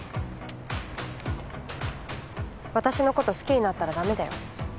私の事好きになったら駄目だよ。